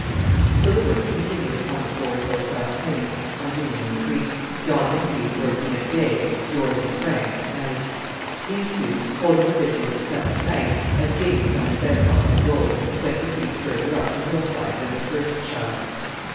So the work continued upon the four hillside claims on Dominion Creek, John and Hugh working at day, George and Frank at night. These two, holding the vigil of the second night, again found bed rock and gold, twenty feet further up the hillside than their first shafts.